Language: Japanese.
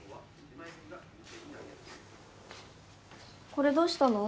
これどうしたの？